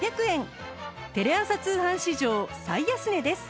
テレ朝通販史上最安値です